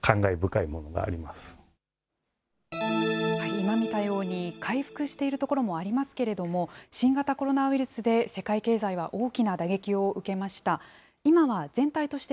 今見たように、回復してきたところもありますけれども、新型コロナウイルスで世界経済は大きな打撃を受けました。